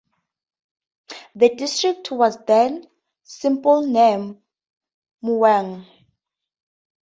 The district was then simply named Mueang.